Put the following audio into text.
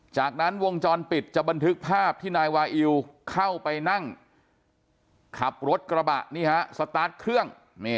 จากนั้นวงจรปิดจะบันทึกภาพที่นายวาอิวเข้าไปนั่งขับรถกระบะนี่ฮะสตาร์ทเครื่อง